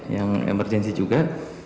yang emergency juga